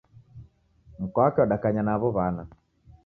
Mkwake wadakanya na aw'o w'ana